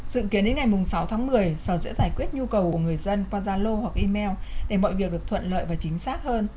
dự kiến đến ngày sáu tháng một mươi sở sẽ giải quyết nhu cầu của người dân qua zalo hoặc email để mọi việc được thuận lợi và chính xác hơn